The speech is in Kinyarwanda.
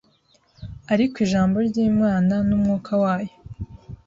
Ariko Ijambo ry’Imana n’umwuka wayo